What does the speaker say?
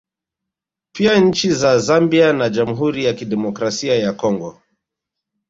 Pia nchi za Zambia na Jamhuri ya Kidemokrasia ya Congo